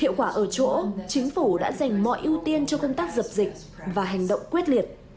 hiệu quả ở chỗ chính phủ đã dành mọi ưu tiên cho công tác dập dịch và hành động quyết liệt